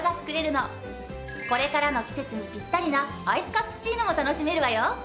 これからの季節にピッタリなアイスカプチーノも楽しめるわよ。